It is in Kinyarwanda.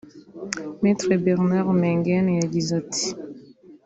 Me Bernard Maingain yagize ati